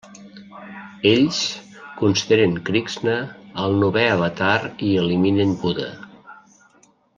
Ells consideren Krixna el novè avatar i eliminen Buda.